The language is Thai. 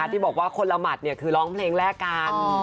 ที่บอกว่าคนละหมัดคือร้องเพลงแรกกัน